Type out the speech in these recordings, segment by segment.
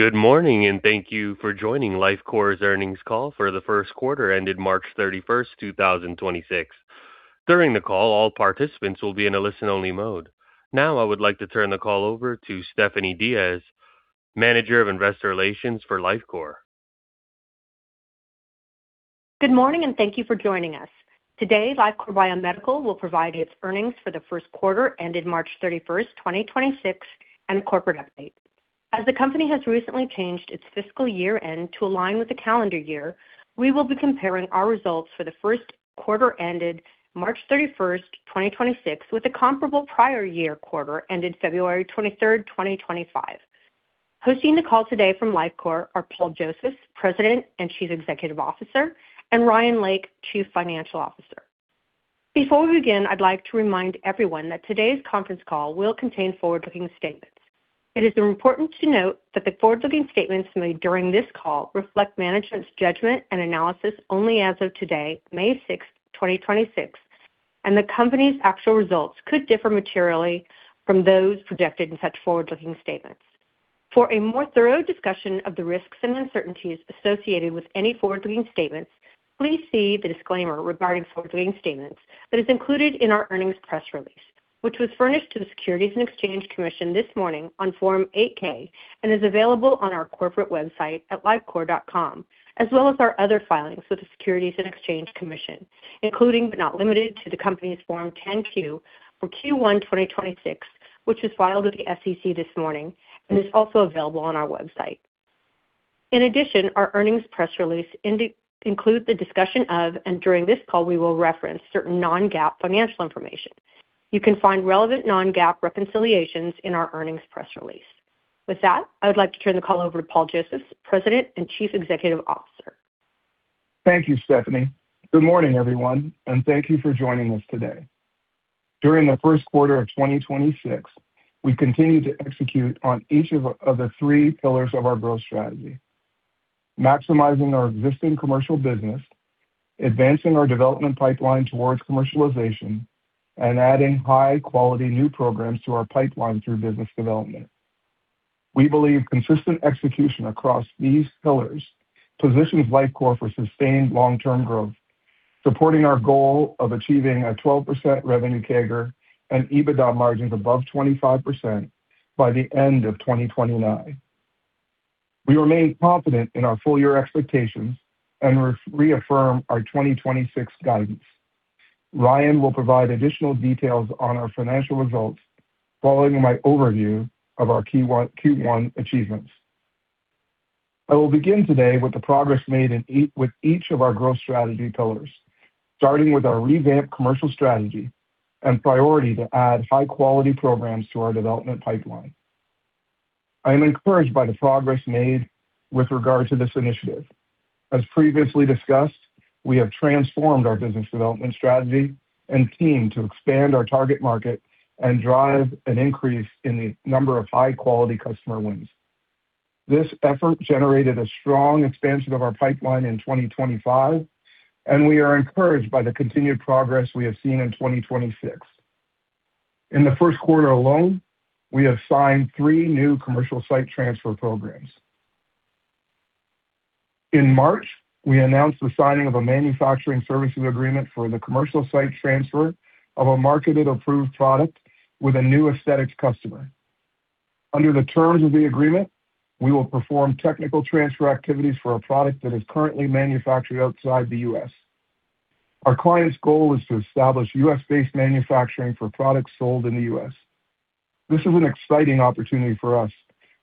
Good morning. Thank you for joining Lifecore's earnings call for the first quarter ended March 31st, 2026. During the call, all participants will be in a listen-only mode. I would like to turn the call over to Stephanie Diaz, Manager of Investor Relations for Lifecore. Good morning. Thank you for joining us. Today, Lifecore Biomedical will provide its earnings for the first quarter ended March 31, 2026, and corporate update. As the company has recently changed its fiscal year-end to align with the calendar year, we will be comparing our results for the first quarter ended March 31st, 2026, with the comparable prior year quarter ended February 23rd, 2025. Hosting the call today from Lifecore are Paul Josephs, President and Chief Executive Officer, and Ryan Lake, Chief Financial Officer. Before we begin, I'd like to remind everyone that today's conference call will contain forward-looking statements. It is important to note that the forward-looking statements made during this call reflect management's judgment and analysis only as of today, May 6th, 2026, and the company's actual results could differ materially from those projected in such forward-looking statements. For a more thorough discussion of the risks and uncertainties associated with any forward-looking statements, please see the disclaimer regarding forward-looking statements that is included in our earnings press release, which was furnished to the Securities and Exchange Commission this morning on Form 8-K and is available on our corporate website at lifecore.com, as well as our other filings with the Securities and Exchange Commission, including, but not limited to, the company's Form 10-Q for Q1 2026, which was filed with the SEC this morning and is also available on our website. Our earnings press release includes the discussion of, and during this call, we will reference certain non-GAAP financial information. You can find relevant non-GAAP reconciliations in our earnings press release. I would like to turn the call over to Paul Josephs, President and Chief Executive Officer. Thank you, Stephanie. Good morning, everyone, and thank you for joining us today. During the first quarter of 2026, we continued to execute on each of the three pillars of our growth strategy, maximizing our existing commercial business, advancing our development pipeline towards commercialization, and adding high-quality new programs to our pipeline through business development. We believe consistent execution across these pillars positions Lifecore for sustained long-term growth, supporting our goal of achieving a 12% revenue CAGR and EBITDA margins above 25% by the end of 2029. We remain confident in our full-year expectations and reaffirm our 2026 guidance. Ryan will provide additional details on our financial results following my overview of our Q1 achievements. I will begin today with the progress made with each of our growth strategy pillars, starting with our revamped commercial strategy and priority to add high-quality programs to our development pipeline. I am encouraged by the progress made with regard to this initiative. As previously discussed, we have transformed our business development strategy and team to expand our target market and drive an increase in the number of high-quality customer wins. This effort generated a strong expansion of our pipeline in 2025, we are encouraged by the continued progress we have seen in 2026. In the first quarter alone, we have signed three new commercial site transfer programs. In March, we announced the signing of a manufacturing services agreement for the commercial site transfer of a marketed approved product with a new aesthetics customer. Under the terms of the agreement, we will perform technical transfer activities for a product that is currently manufactured outside the U.S. Our client's goal is to establish U.S.-based manufacturing for products sold in the U.S. This is an exciting opportunity for us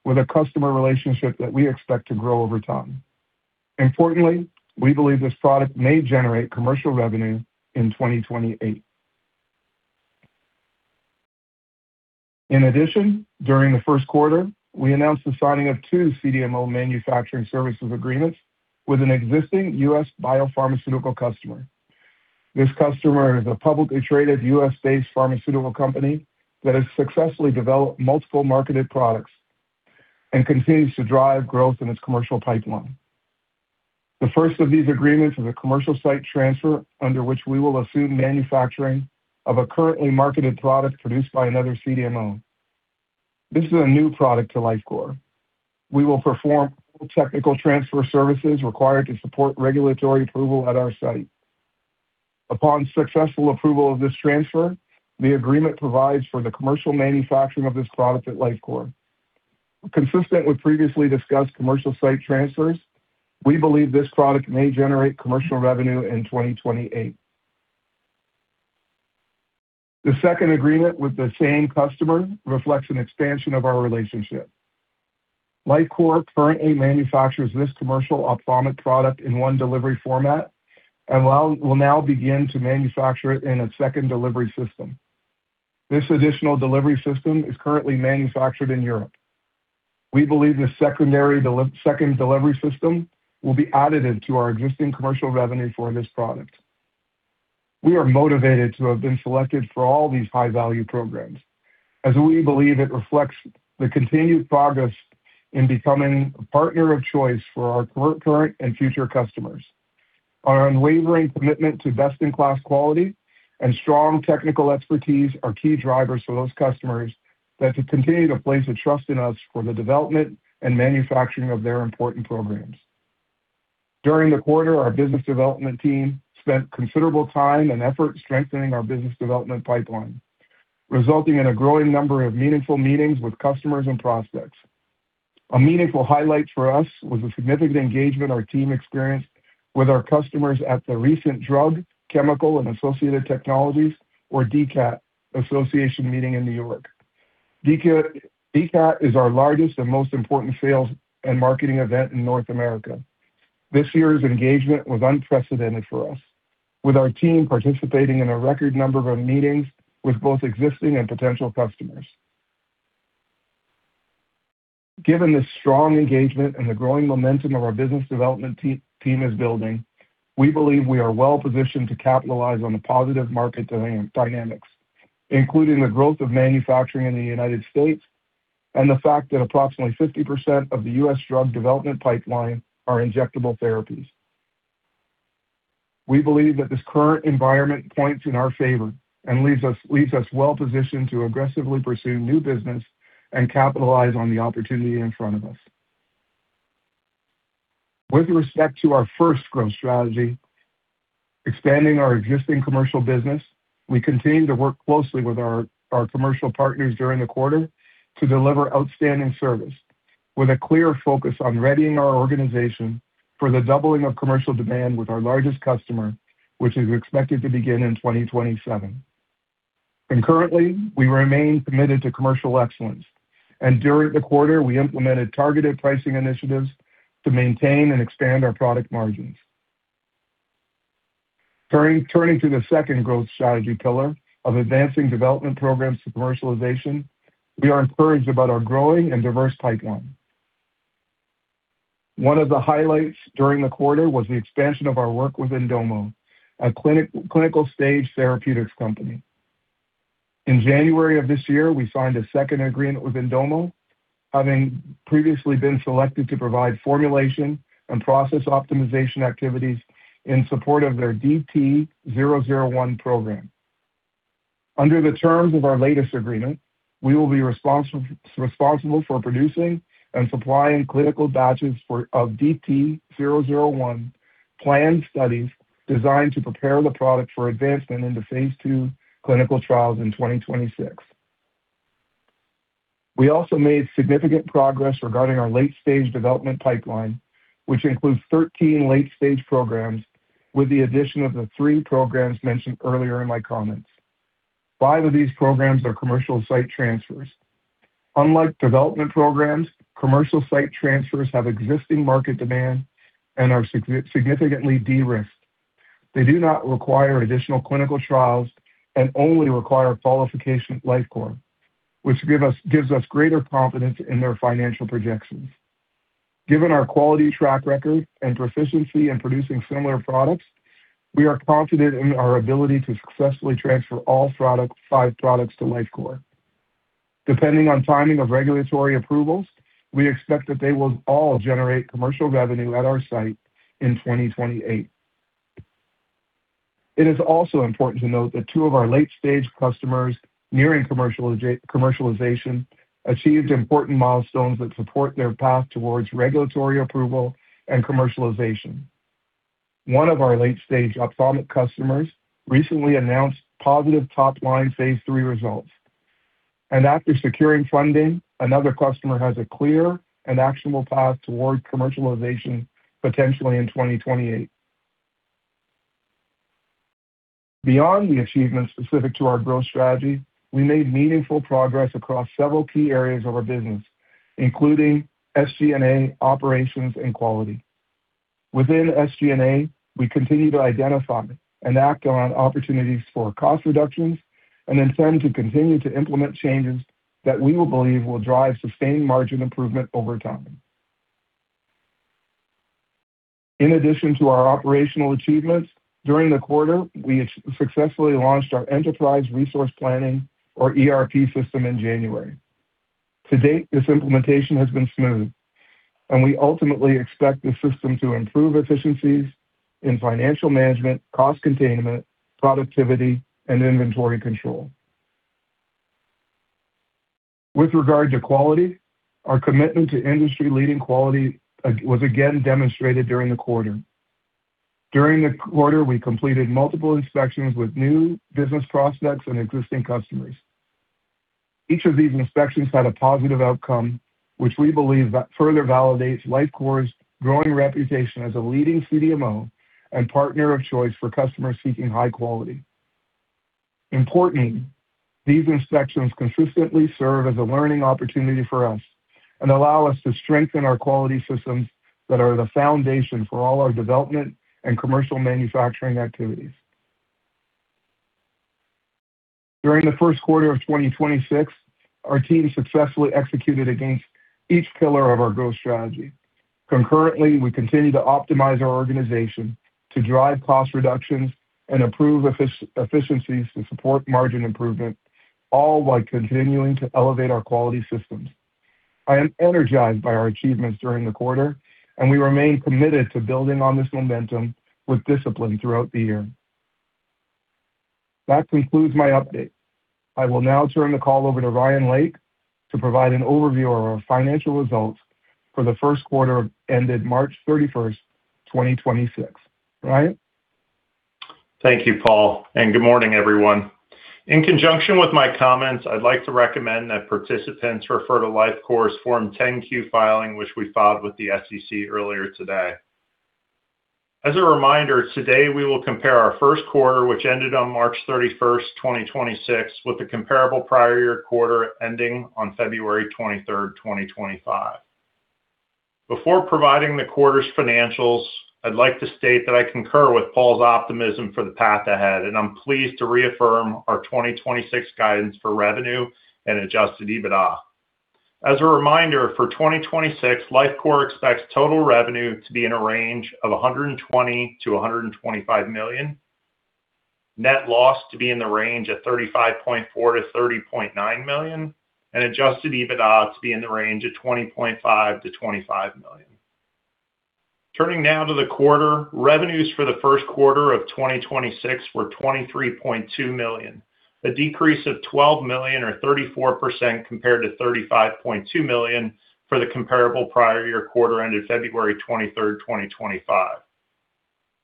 with a customer relationship that we expect to grow over time. Importantly, we believe this product may generate commercial revenue in 2028. In addition, during the first quarter, we announced the signing of two CDMO manufacturing services agreements with an existing U.S. biopharmaceutical customer. This customer is a publicly traded U.S.-based pharmaceutical company that has successfully developed multiple marketed products and continues to drive growth in its commercial pipeline. The first of these agreements is a commercial site transfer under which we will assume manufacturing of a currently marketed product produced by another CDMO. This is a new product to Lifecore. We will perform technical transfer services required to support regulatory approval at our site. Upon successful approval of this transfer, the agreement provides for the commercial manufacturing of this product at Lifecore. Consistent with previously discussed commercial site transfers, we believe this product may generate commercial revenue in 2028. The second agreement with the same customer reflects an expansion of our relationship. Lifecore currently manufactures this commercial ophthalmic product in one delivery format and will now begin to manufacture it in a second delivery system. This additional delivery system is currently manufactured in Europe. We believe this second delivery system will be additive to our existing commercial revenue for this product. We are motivated to have been selected for all these high-value programs, as we believe it reflects the continued progress in becoming a partner of choice for our current and future customers. Our unwavering commitment to best-in-class quality and strong technical expertise are key drivers for those customers that have continued to place their trust in us for the development and manufacturing of their important programs. During the quarter, our business development team spent considerable time and effort strengthening our business development pipeline, resulting in a growing number of meaningful meetings with customers and prospects. A meaningful highlight for us was the significant engagement our team experienced with our customers at the recent Drug, Chemical & Associated Technologies, or DCAT, Association meeting in New York. DCAT is our largest and most important sales and marketing event in North America. This year's engagement was unprecedented for us, with our team participating in a record number of meetings with both existing and potential customers. Given the strong engagement and the growing momentum of our business development team is building, we believe we are well-positioned to capitalize on the positive market dynamics, including the growth of manufacturing in the U.S. and the fact that approximately 50% of the U.S. drug development pipeline are injectable therapies. We believe that this current environment points in our favor and leaves us well-positioned to aggressively pursue new business and capitalize on the opportunity in front of us. With respect to our first growth strategy, expanding our existing commercial business, we continued to work closely with our commercial partners during the quarter to deliver outstanding service with a clear focus on readying our organization for the doubling of commercial demand with our largest customer, which is expected to begin in 2027. Concurrently, we remain committed to commercial excellence. During the quarter, we implemented targeted pricing initiatives to maintain and expand our product margins. Turning to the second growth strategy pillar of advancing development programs to commercialization, we are encouraged about our growing and diverse pipeline. One of the highlights during the quarter was the expansion of our work with Indomo, a clinical-stage therapeutics company. In January of this year, we signed a second agreement with Indomo, having previously been selected to provide formulation and process optimization activities in support of their DT-001 program. Under the terms of our latest agreement, we will be responsible for producing and supplying clinical batches of DT-001 planned studies designed to prepare the product for advancement into phase II clinical trials in 2026. We also made significant progress regarding our late-stage development pipeline, which includes 13 late-stage programs, with the addition of the three programs mentioned earlier in my comments. Five of these programs are commercial site transfers. Unlike development programs, commercial site transfers have existing market demand and are significantly de-risked. They do not require additional clinical trials and only require qualification at Lifecore, which gives us greater confidence in their financial projections. Given our quality track record and proficiency in producing similar products, we are confident in our ability to successfully transfer all products, five products to Lifecore. Depending on timing of regulatory approvals, we expect that they will all generate commercial revenue at our site in 2028. It is also important to note that two of our late-stage customers nearing commercialization achieved important milestones that support their path towards regulatory approval and commercialization. One of our late-stage ophthalmic customers recently announced positive top-line phase III results. After securing funding, another customer has a clear and actionable path towards commercialization, potentially in 2028. Beyond the achievements specific to our growth strategy, we made meaningful progress across several key areas of our business, including SG&A, operations, and quality. Within SG&A, we continue to identify and act on opportunities for cost reductions, and intend to continue to implement changes that we believe will drive sustained margin improvement over time. In addition to our operational achievements, during the quarter, we successfully launched our enterprise resource planning, or ERP system in January. To date, this implementation has been smooth, and we ultimately expect the system to improve efficiencies in financial management, cost containment, productivity, and inventory control. With regard to quality, our commitment to industry-leading quality was again demonstrated during the quarter. During the quarter, we completed multiple inspections with new business prospects and existing customers. Each of these inspections had a positive outcome, which we believe that further validates Lifecore's growing reputation as a leading CDMO and partner of choice for customers seeking high quality. Importantly, these inspections consistently serve as a learning opportunity for us and allow us to strengthen our quality systems that are the foundation for all our development and commercial manufacturing activities. During the first quarter of 2026, our team successfully executed against each pillar of our growth strategy. Concurrently, we continue to optimize our organization to drive cost reductions and improve efficiencies to support margin improvement, all while continuing to elevate our quality systems. I am energized by our achievements during the quarter, and we remain committed to building on this momentum with discipline throughout the year. That concludes my update. I will now turn the call over to Ryan Lake to provide an overview of our financial results for the first quarter ended March 31st, 2026. Ryan. Thank you, Paul, and good morning, everyone. In conjunction with my comments, I'd like to recommend that participants refer to Lifecore's Form 10-Q filing, which we filed with the SEC earlier today. As a reminder, today we will compare our first quarter, which ended on March 31st, 2026, with the comparable prior year quarter ending on February 23rd, 2025. Before providing the quarter's financials, I'd like to state that I concur with Paul's optimism for the path ahead, and I'm pleased to reaffirm our 2026 guidance for revenue and adjusted EBITDA. As a reminder, for 2026, Lifecore expects total revenue to be in a range of $120 million-$125 million. Net loss to be in the range of $35.4 million-$30.9 million. Adjusted EBITDA to be in the range of $20.5 million-$25 million. Turning now to the quarter, revenues for the first quarter of 2026 were $23.2 million, a decrease of $12 million or 34% compared to $35.2 million for the comparable prior year quarter ended February 23rd, 2025.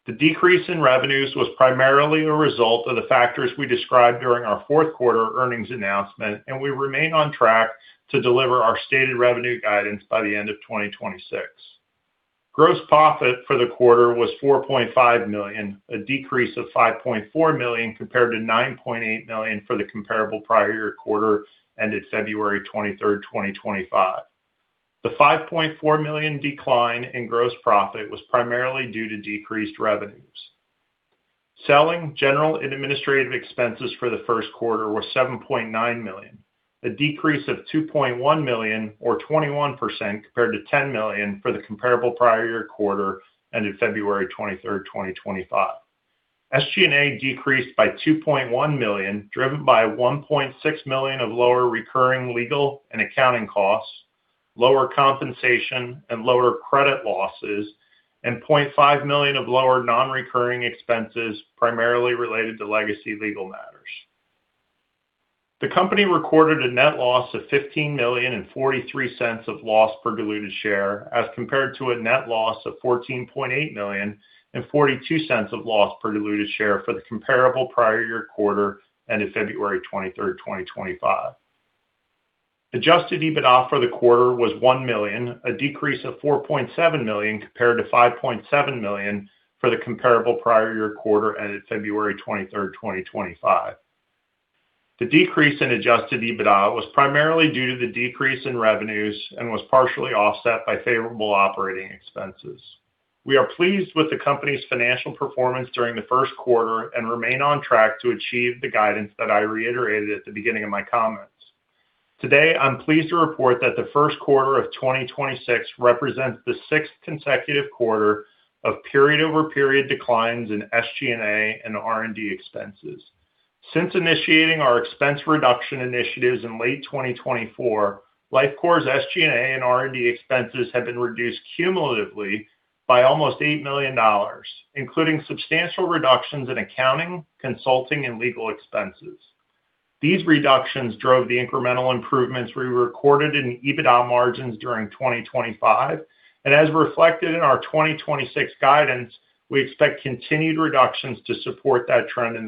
The decrease in revenues was primarily a result of the factors we described during our fourth quarter earnings announcement, and we remain on track to deliver our stated revenue guidance by the end of 2026. Gross profit for the quarter was $4.5 million, a decrease of $5.4 million compared to $9.8 million for the comparable prior year quarter ended February 23rd, 2025. The $5.4 million decline in gross profit was primarily due to decreased revenues. Selling, general, and administrative expenses for the first quarter were $7.9 million, a decrease of $2.1 million or 21% compared to $10 million for the comparable prior year quarter ended February 23rd, 2025. SG&A decreased by $2.1 million, driven by $1.6 million of lower recurring legal and accounting costs, lower compensation and lower credit losses, and $0.5 million of lower non-recurring expenses, primarily related to legacy legal matters. The company recorded a net loss of $15 million and $0.43 of loss per diluted share, as compared to a net loss of $14.8 million and $0.42 of loss per diluted share for the comparable prior year quarter ended February 23rd, 2025. Adjusted EBITDA for the quarter was $1 million, a decrease of $4.7 million compared to $5.7 million for the comparable prior year quarter ended February 23rd, 2025. The decrease in adjusted EBITDA was primarily due to the decrease in revenues and was partially offset by favorable operating expenses. We are pleased with the company's financial performance during the first quarter and remain on track to achieve the guidance that I reiterated at the beginning of my comments. Today, I'm pleased to report that the first quarter of 2026 represents the sixth consecutive quarter of period-over-period declines in SG&A and R&D expenses. Since initiating our expense reduction initiatives in late 2024, Lifecore's SG&A and R&D expenses have been reduced cumulatively by almost $8 million, including substantial reductions in accounting, consulting, and legal expenses. These reductions drove the incremental improvements we recorded in EBITDA margins during 2025. As reflected in our 2026 guidance, we expect continued reductions to support that trend in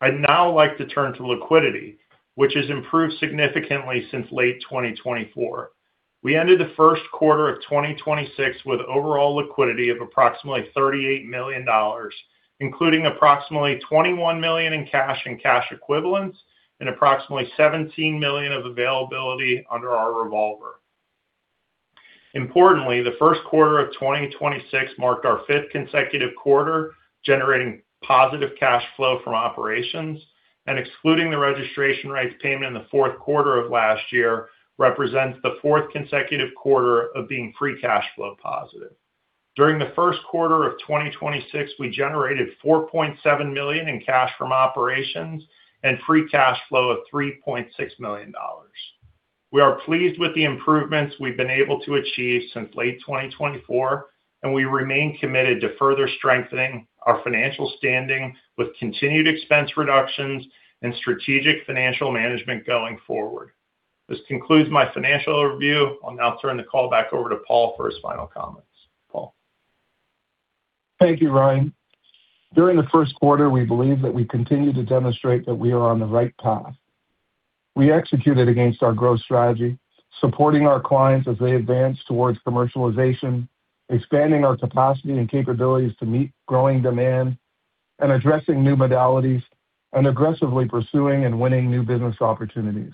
the future. I'd now like to turn to liquidity, which has improved significantly since late 2024. We ended the first quarter of 2026 with overall liquidity of approximately $38 million, including approximately $21 million in cash-and-cash equivalents and approximately $17 million of availability under our revolver. Importantly, the first quarter of 2026 marked our fifth consecutive quarter generating positive cash flow from operations. Excluding the registration rights payment in the fourth quarter of last year represents the fourth consecutive quarter of being free cash flow positive. During the first quarter of 2026, we generated $4.7 million in cash from operations and free cash flow of $3.6 million. We are pleased with the improvements we've been able to achieve since late 2024, and we remain committed to further strengthening our financial standing with continued expense reductions and strategic financial management going forward. This concludes my financial overview. I'll now turn the call back over to Paul for his final comments. Paul. Thank you, Ryan. During the first quarter, we believe that we continue to demonstrate that we are on the right path. We executed against our growth strategy, supporting our clients as they advance towards commercialization, expanding our capacity and capabilities to meet growing demand, and addressing new modalities, and aggressively pursuing and winning new business opportunities.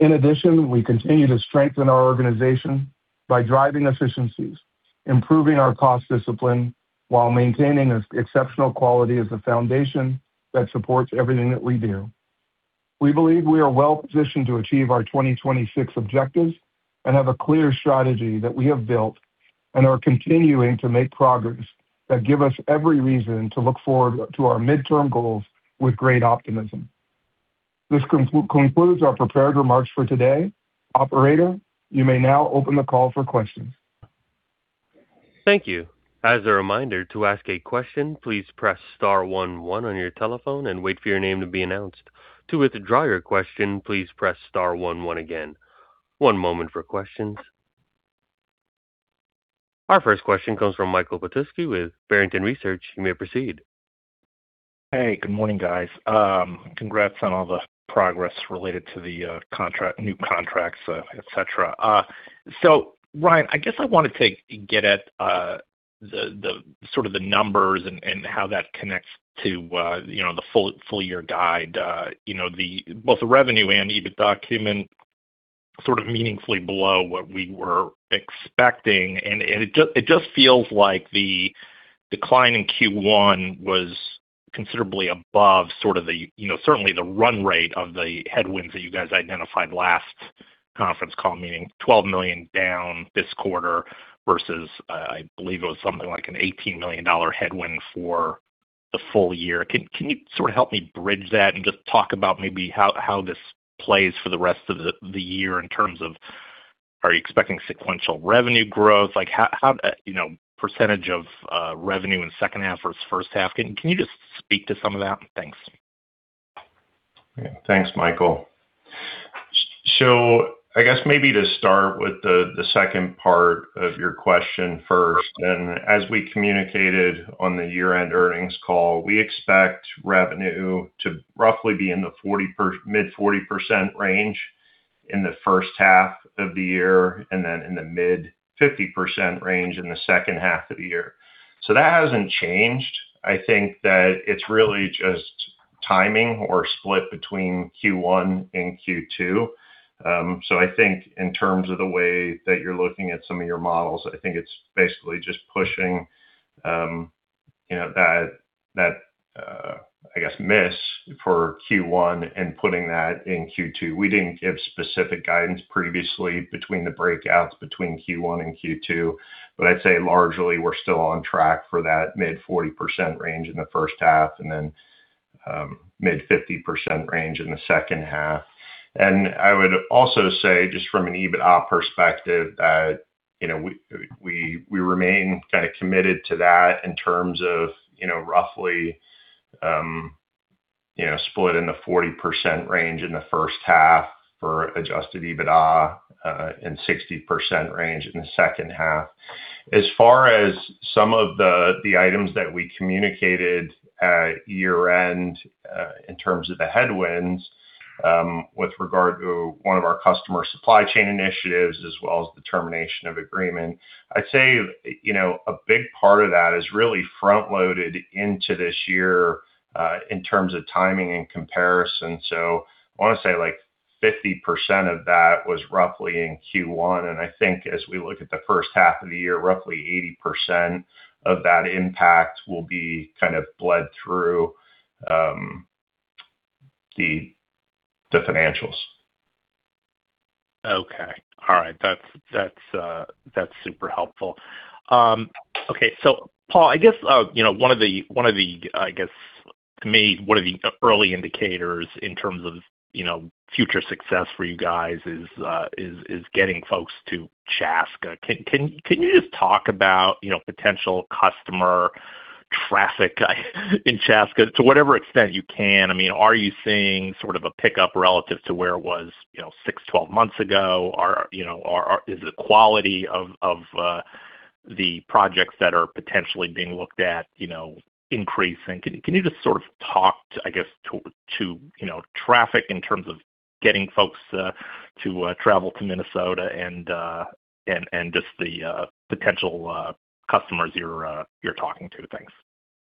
In addition, we continue to strengthen our organization by driving efficiencies, improving our cost discipline, while maintaining exceptional quality as the foundation that supports everything that we do. We believe we are well-positioned to achieve our 2026 objectives and have a clear strategy that we have built. Are continuing to make progress that give us every reason to look forward to our midterm goals with great optimism. This concludes our prepared remarks for today. Operator, you may now open the call for questions. Thank you. As a reminder, to ask a question, please press star one one on your telephone and wait for your name to be announced. To withdraw your question, please press star one one again. One moment for questions. Our first question comes from Michael Petusky with Barrington Research. You may proceed. Hey, good morning, guys. Congrats on all the progress related to the contract, new contracts, et cetera. Ryan, I guess I wanted to get at the sort of the numbers and how that connects to, you know, the full-year guide. You know, both the revenue and EBITDA came in sort of meaningfully below what we were expecting. It just feels like the decline in Q1 was considerably above sort of the, you know, certainly the run rate of the headwinds that you guys identified last conference call meeting, $12 million down this quarter versus I believe it was something like an $18 million headwind for the full-year. Can you sort of help me bridge that and just talk about maybe how this plays for the rest of the year in terms of are you expecting sequential revenue growth? Like how, you know, percentage of revenue in second half versus first half? Can you just speak to some of that? Thanks. Thanks, Michael. So I guess maybe to start with the second part of your question first. As we communicated on the year-end earnings call, we expect revenue to roughly be in the mid-40% range in the first half of the year, and then in the mid-50% range in the second half of the year. That hasn't changed. I think that it's really just timing or split between Q1 and Q2. I think in terms of the way that you're looking at some of your models, I think it's basically just pushing, you know, that, I guess, miss for Q1 and putting that in Q2. We didn't give specific guidance previously between the breakouts between Q1 and Q2, but I'd say largely we're still on track for that mid-40% range in the first half and then, mid-50% range in the second half. I would also say just from an EBITDA perspective that, you know, we remain kind of committed to that in terms of, you know, roughly, split in the 40% range in the first half for adjusted EBITDA, and 60% range in the second half. As far as some of the items that we communicated at year-end, in terms of the headwinds, with regard to one of our customer supply chain initiatives as well as the termination of agreement, I'd say, you know, a big part of that is really front-loaded into this year, in terms of timing and comparison. I wanna say like 50% of that was roughly in Q1. I think as we look at the first half of the year, roughly 80% of that impact will be kind of bled through the financials. Okay. All right. That's super helpful. Okay, Paul, I guess, you know, one of the, I guess to me, one of the early indicators in terms of, you know, future success for you guys is getting folks to Chaska. Can you just talk about, you know, potential customer traffic in Chaska to whatever extent you can? I mean, are you seeing sort of a pickup relative to where it was, you know, six, 12 months ago? Is the quality of the projects that are potentially being looked at, you know, increasing? Can you just sort of talk to, I guess, to, you know, traffic in terms of getting folks to travel to Minnesota and just the potential customers you're talking to? Thanks.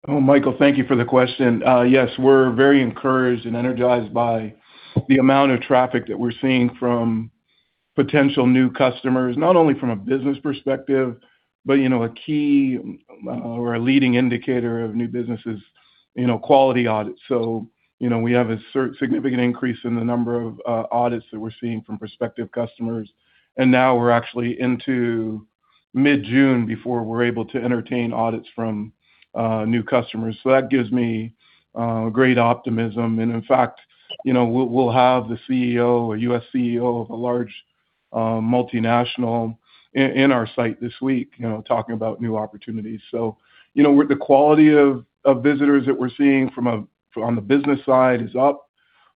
Oh, Michael, thank you for the question. Yes, we're very encouraged and energized by the amount of traffic that we're seeing from potential new customers, not only from a business perspective, but you know, a key or a leading indicator of new business is, you know, quality audits. You know, we have a significant increase in the number of audits that we're seeing from prospective customers. Now we're actually into mid-June before we're able to entertain audits from new customers. That gives me great optimism. In fact, you know, we'll have the CEO, a U.S. CEO of a large multinational in our site this week, you know, talking about new opportunities. You know, with the quality of visitors that we're seeing from on the business side is up,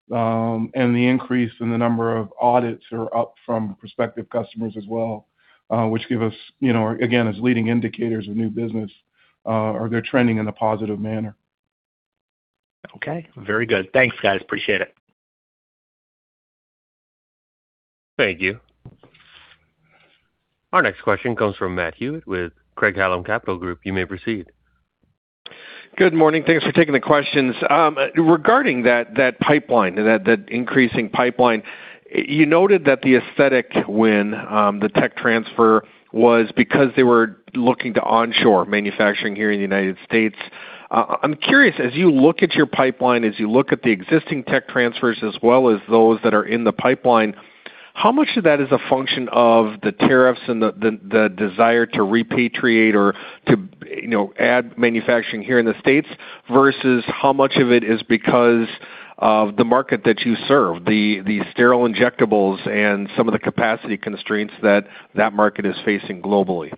and the increase in the number of audits are up from prospective customers as well, which give us, you know, again, as leading indicators of new business, or they're trending in a positive manner. Okay. Very good. Thanks, guys. Appreciate it. Thank you. Our next question comes from Matt Hewitt with Craig-Hallum Capital Group. You may proceed. Good morning. Thanks for taking the questions. Regarding that pipeline, that increasing pipeline, you noted that the aesthetic win, the tech transfer was because they were looking to onshore manufacturing here in the United States. I'm curious, as you look at your pipeline, as you look at the existing tech transfers as well as those that are in the pipeline, how much of that is a function of the tariffs and the desire to repatriate or to, you know, add manufacturing here in the States versus how much of it is because of the market that you serve, the sterile injectables and some of the capacity constraints that market is facing globally?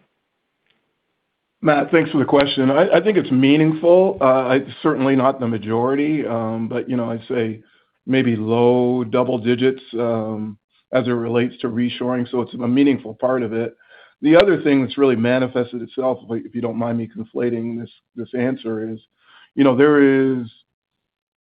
Matt, thanks for the question. I think it's meaningful. It's certainly not the majority, but, you know, I'd say maybe low double digits as it relates to reshoring, so it's a meaningful part of it. The other thing that's really manifested itself, if you don't mind me conflating this answer is, you know, there is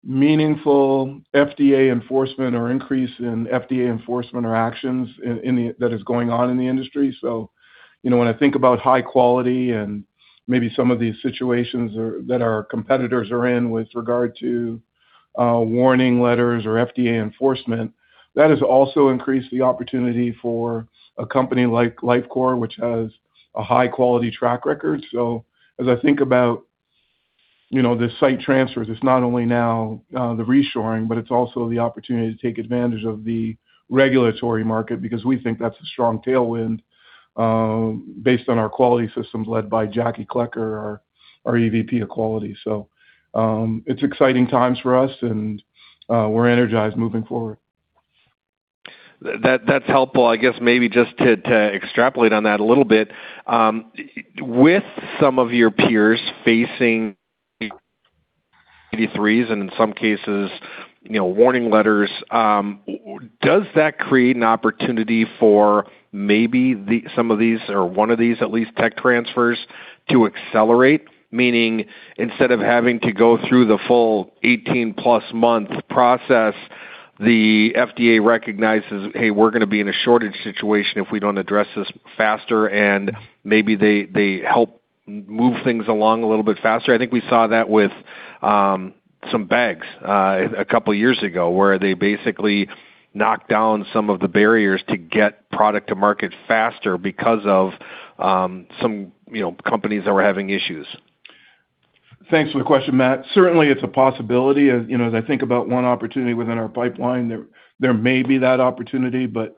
meaningful FDA enforcement or increase in FDA enforcement or actions that is going on in the industry. You know, when I think about high quality and maybe some of these situations are, that our competitors are in with regard to warning letters or FDA enforcement, that has also increased the opportunity for a company like Lifecore, which has a high-quality track record. As I think about, you know, the site transfers, it's not only now the reshoring, but it's also the opportunity to take advantage of the regulatory market because we think that's a strong tailwind, based on our quality systems led by Jackie Klecker, our EVP of Quality. It's exciting times for us and we're energized moving forward. That's helpful. I guess maybe just to extrapolate on that a little bit, with some of your peers facing 483s and in some cases, you know, warning letters, does that create an opportunity for maybe some of these or one of these at least tech transfers to accelerate? Meaning instead of having to go through the full 18+ month process, the FDA recognizes, "Hey, we're gonna be in a shortage situation if we don't address this faster," and maybe they help move things along a little bit faster. I think we saw that with some banks a couple of years ago, where they basically knocked down some of the barriers to get product to market faster because of some, you know, companies that were having issues. Thanks for the question, Matt. Certainly, it's a possibility. You know, as I think about one opportunity within our pipeline there may be that opportunity, but,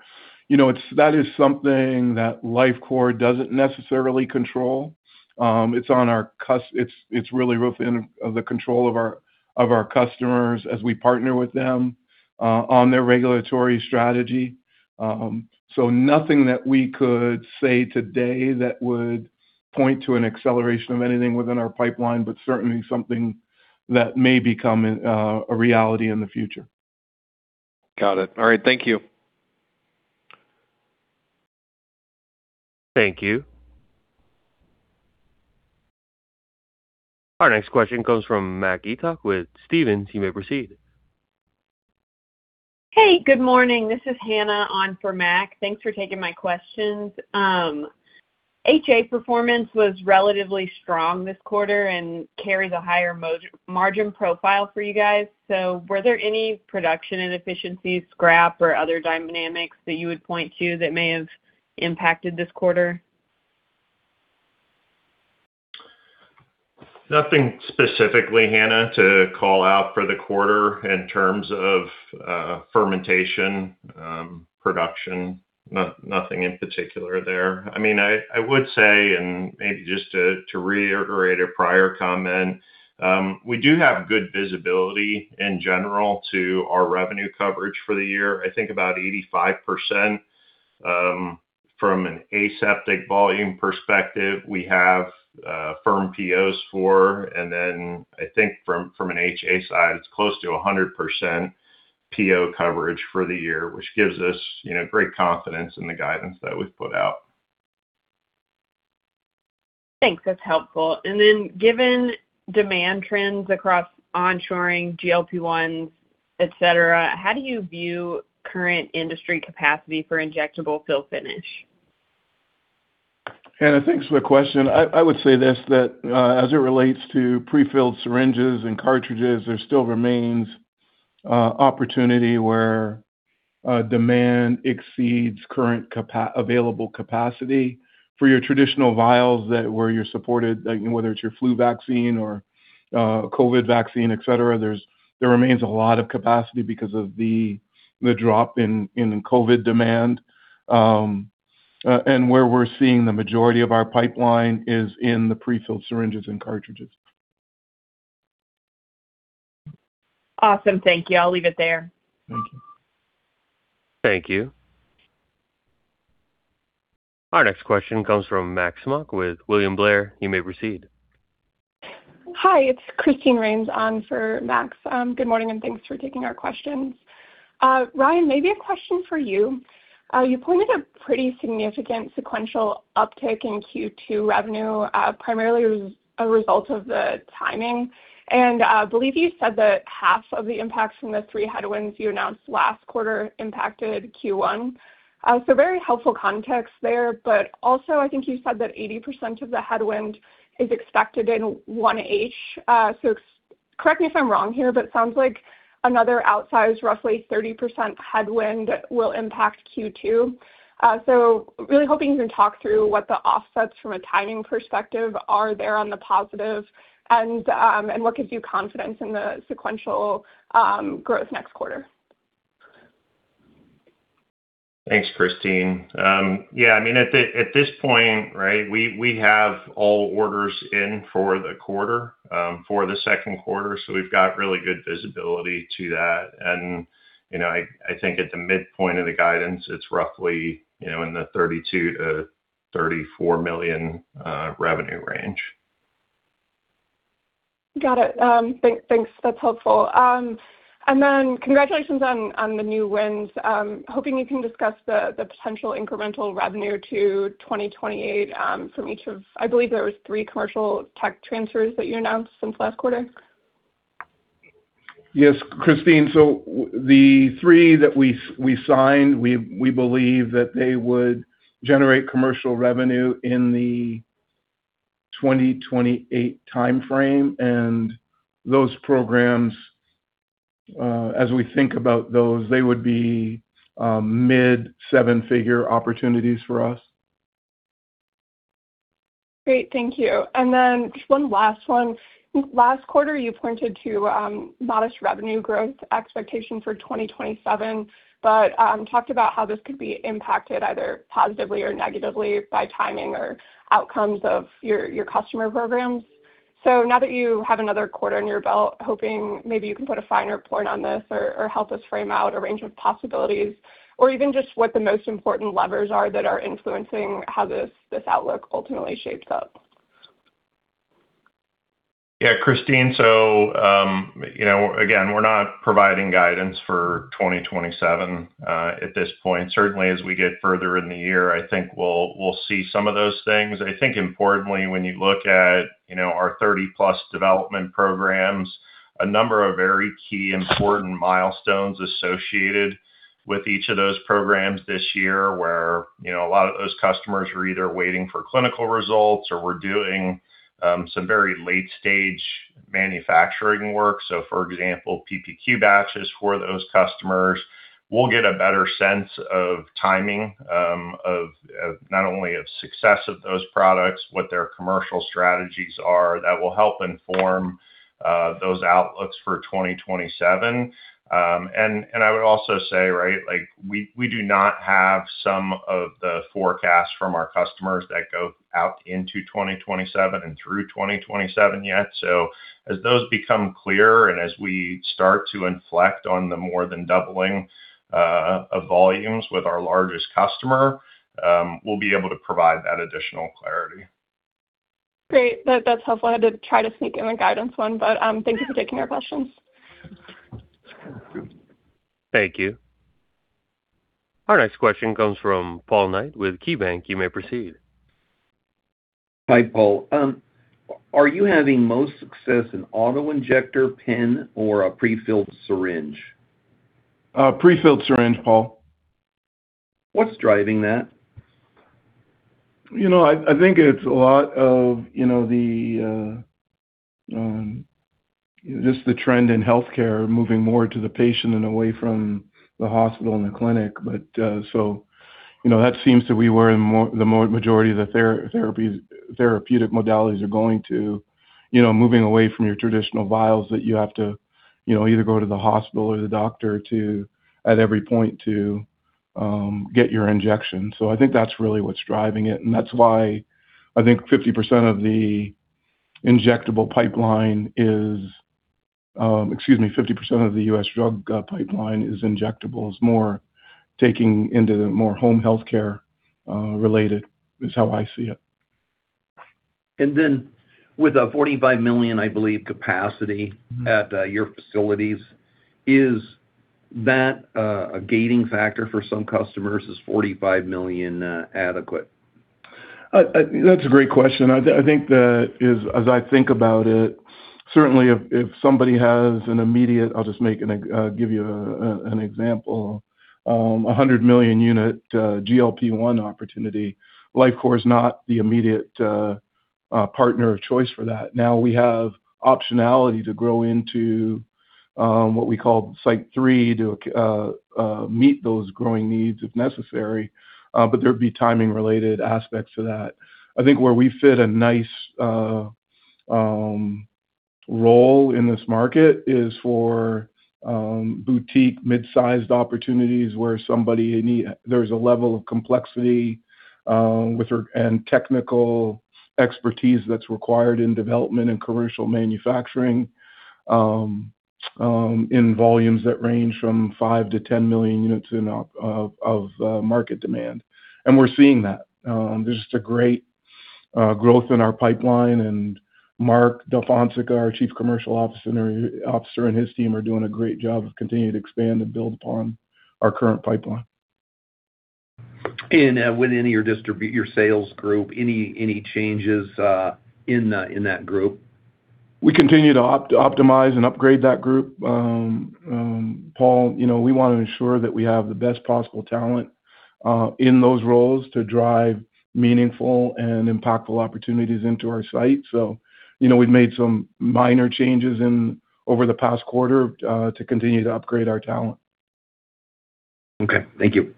you know, that is something that Lifecore doesn't necessarily control. It's really within the control of our, of our customers as we partner with them on their regulatory strategy. Nothing that we could say today that would point to an acceleration of anything within our pipeline, but certainly something that may become a reality in the future. Got it. All right. Thank you. Thank you. Our next question comes from Mac Etoch with Stephens. You may proceed. Hey, good morning. This is Hannah on for Mac. Thanks for taking my questions. HA performance was relatively strong this quarter and carries a higher margin profile for you guys. Were there any production inefficiencies, scrap, or other dynamics that you would point to that may have impacted this quarter? Nothing specifically, Hannah, to call out for the quarter in terms of fermentation production. Nothing in particular there. I mean, I would say, and maybe just to reiterate a prior comment, we do have good visibility in general to our revenue coverage for the year. I think about 85% from an aseptic volume perspective we have firm POs for. Then I think from an HA side, it's close to 100% PO coverage for the year, which gives us, you know, great confidence in the guidance that we've put out. Thanks. That's helpful. Then given demand trends across onshoring, GLP-1, et cetera, how do you view current industry capacity for injectable fill finish? Hannah, thanks for the question. I would say this, that as it relates to prefilled syringes and cartridges, there still remains opportunity where demand exceeds current available capacity. For your traditional vials that where you're supported, like whether it's your flu vaccine or COVID vaccine, et cetera, there remains a lot of capacity because of the drop in COVID demand. Where we're seeing the majority of our pipeline is in the prefilled syringes and cartridges. Awesome. Thank you. I'll leave it there. Thank you. Thank you. Our next question comes from Max Smock with William Blair. You may proceed. Hi, it's Christine Rains on for Max. Good morning, and thanks for taking our questions. Ryan, maybe a question for you. You pointed a pretty significant sequential uptick in Q2 revenue, primarily a result of the timing. I believe you said that half of the impact from the three headwinds you announced last quarter impacted Q1. Very helpful context there, but also, I think you said that 80% of the headwind is expected in 1H. Correct me if I'm wrong here, but it sounds like another outsized roughly 30% headwind will impact Q2. Really hoping you can talk through what the offsets from a timing perspective are there on the positive and what gives you confidence in the sequential growth next quarter? Thanks, Christine. Yeah, I mean, at this point, right, we have all orders in for the quarter, for the second quarter, so we've got really good visibility to that. You know, I think at the midpoint of the guidance, it's roughly, you know, in the $32 million-$34 million revenue range. Got it. Thanks. That's helpful. Then congratulations on the new wins. Hoping you can discuss the potential incremental revenue to 2028 from each of I believe there was three commercial tech transfers that you announced since last quarter. Yes, Christine. The three that we signed, we believe that they would generate commercial revenue in the 2028 timeframe. Those programs, as we think about those, they would be mid seven-figure opportunities for us. Great. Thank you. Just one last one. Last quarter, you pointed to modest revenue growth expectation for 2027, but talked about how this could be impacted either positively or negatively by timing or outcomes of your customer programs. Now that you have another quarter under your belt, hoping maybe you can put a finer point on this or help us frame out a range of possibilities or even just what the most important levers are that are influencing how this outlook ultimately shapes up. Yeah, Christine. you know, again, we're not providing guidance for 2027 at this point. Certainly, as we get further in the year, I think we'll see some of those things. I think importantly, when you look at, you know, our 30+ development programs, a number of very key important milestones associated with each of those programs this year, where, you know, a lot of those customers are either waiting for clinical results or we're doing some very late-stage manufacturing work. For example, PPQ batches for those customers. We'll get a better sense of timing of not only of success of those products, what their commercial strategies are that will help inform those outlooks for 2027. I would also say, right, like we do not have some of the forecasts from our customers that go out into 2027 and through 2027 yet. As those become clearer and as we start to inflect on the more than doubling of volumes with our largest customer, we'll be able to provide that additional clarity. Great. That's helpful. I had to try to sneak in a guidance one, but thank you for taking our questions. Thank you. Our next question comes from Paul Knight with KeyBanc. You may proceed. Hi, Paul. Are you having most success in auto-injector pen or a prefilled syringe? Prefilled syringe, Paul. What's driving that? You know, I think it's a lot of, you know, just the trend in healthcare moving more to the patient and away from the hospital and the clinic. That seems to be where the majority of the therapeutic modalities are going to, you know, moving away from your traditional vials that you have to, you know, either go to the hospital or the doctor to, at every point to get your injection. I think that's really what's driving it, and that's why I think 50% of the injectable pipeline is, excuse me, 50% of the U.S. drug pipeline is injectables, more taking into the more home healthcare related is how I see it. With a 45 million, I believe, capacity at your facilities, is that a gating factor for some customers? Is 45 million adequate? That's a great question. I think that is, as I think about it, certainly if somebody has an immediate, I'll just give you an example, a 100 million unit GLP-1 opportunity, Lifecore is not the immediate partner of choice for that. Now we have optionality to grow into what we call Site 3 to meet those growing needs if necessary, but there'd be timing related aspects to that. I think where we fit a nice role in this market is for boutique mid-sized opportunities where there's a level of complexity and technical expertise that's required in development and commercial manufacturing in volumes that range from 5 million-10 million units of market demand. We're seeing that. There's just a great growth in our pipeline. Mark DaFonseca, our Chief Commercial Officer, and his team are doing a great job of continuing to expand and build upon our current pipeline. Within your sales group, any changes in that group? We continue to optimize and upgrade that group. Paul, you know, we want to ensure that we have the best possible talent in those roles to drive meaningful and impactful opportunities into our site. You know, we've made some minor changes over the past quarter to continue to upgrade our talent. Okay. Thank you.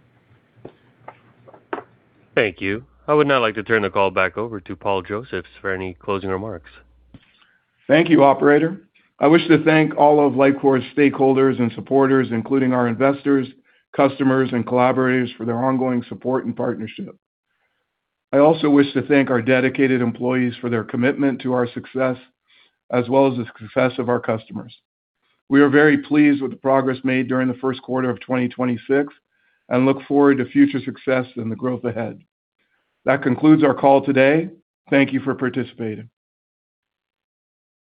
Thank you. I would now like to turn the call back over to Paul Josephs for any closing remarks. Thank you, operator. I wish to thank all of Lifecore's stakeholders and supporters, including our investors, customers, and collaborators for their ongoing support and partnership. I also wish to thank our dedicated employees for their commitment to our success as well as the success of our customers. We are very pleased with the progress made during the first quarter of 2026 and look forward to future success and the growth ahead. That concludes our call today. Thank you for participating.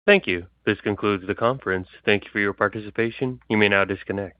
Thank you. This concludes the conference. Thank you for your participation. You may now disconnect.